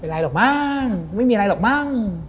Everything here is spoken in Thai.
ไรหรอกมั้งไม่มีอะไรหรอกมั้ง